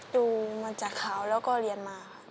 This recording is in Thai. ดูมาจากเขาแล้วก็เรียนมา